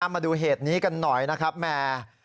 มาดูเหตุนี้กันหน่อยนะครับแม่